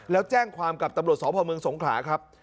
แล้วแจ้งความกับตำรวจสพเมืองสงขลาครับ